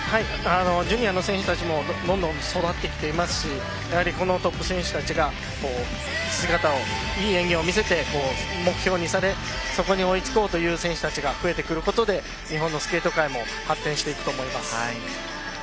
ジュニアの選手たちもどんどん育ってきていますしこのトップ選手たちが姿をいい演技を見せて目標にされ、そこに追いつこうという選手たちが増えてくることで日本のスケート界も発展していくと思います。